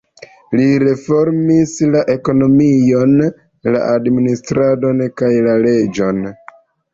Li reformis la ekonomion, la administradon kaj la leĝon.